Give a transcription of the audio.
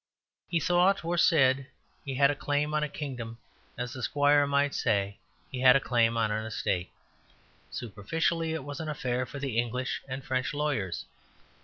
He thought, or said, he had a claim on a kingdom as a squire might say he had a claim on an estate; superficially it was an affair for the English and French lawyers.